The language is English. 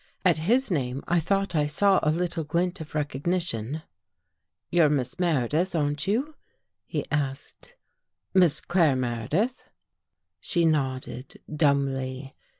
At his name I thought I saw a little glint of recognition. "You're Miss Meredith, aren't you?" he asked. " Miss Claire Meredith? " She nodded dumbly.